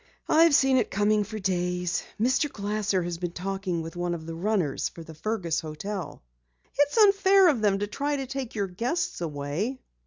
"I've seen it coming for days. Mr. Glasser has been talking with one of the runners for the Fergus hotel." "It's unfair of them to try to take your guests away."